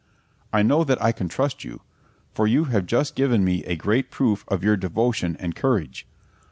I know that I can trust you, for you have just given me a great proof of your devotion and courage."